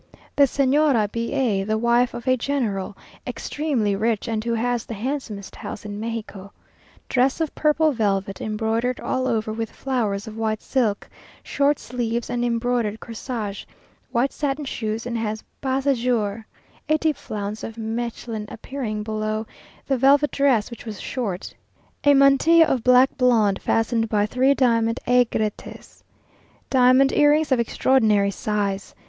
The Señora B a, the wife of a General, extremely rich, and who has the handsomest house in Mexico. Dress of purple velvet, embroidered all over with flowers of white silk, short sleeves, and embroidered corsage; white satin shoes and has bas à jour; a deep flounce of Mechlin appearing below the velvet dress, which was short. A mantilla of black blonde, fastened by three diamond aigrettes. Diamond earrings of extraordinary size.